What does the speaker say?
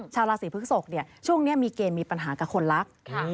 ชาวราศีพฤกษกช่วงนี้มีเกณฑ์มีปัญหากับคนรัก